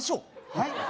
はい？